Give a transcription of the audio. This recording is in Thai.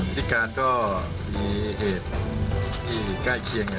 พิการก็มีเหตุที่ใกล้เคียง